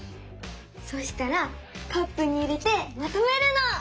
そしたらカップに入れてまとめるの！